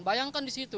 bayangkan di situ